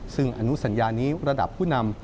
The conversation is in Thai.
ซึ่งอนุสัญญานี้ระดับผู้นำ